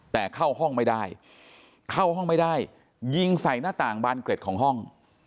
แต่เข้าห้องไม่ได้เข้าห้องไม่ได้ยิงใส่หน้าต่างบานเกร็ดของห้อง